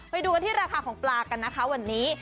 ไปดูกันที่ราคาของปลากันนะคะวันนี้